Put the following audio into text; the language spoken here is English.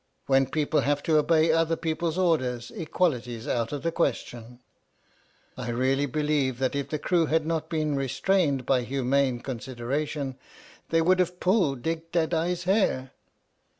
When people have to obey other people's orders, equality's out of the question." I really believe that if the crew had not been re 53 H.M.S. "PINAFORE" strained by humane consideration, they would have pulled Dick Deadeye's hair.